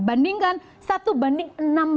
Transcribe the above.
bandingkan satu banding enam puluh lima